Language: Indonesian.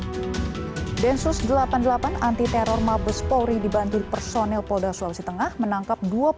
hai densus delapan puluh delapan antiteror mabes polri dibantu personil polda sulawesi tengah menangkap dua puluh empat